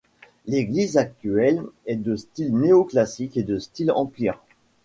L'église actuelle est de style néoclassique et de style Empire.